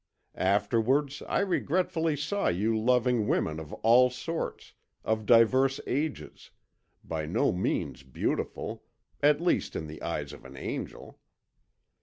Afterwards I regretfully saw you loving women of all sorts, of divers ages, by no means beautiful, at least in the eyes of an angel.